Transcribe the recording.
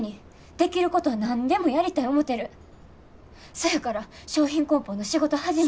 そやから商品こん包の仕事始めて。